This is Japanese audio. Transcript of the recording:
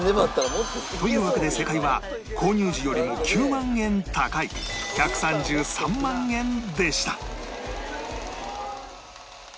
というわけで正解は購入時よりも９万円高い１３３万円でした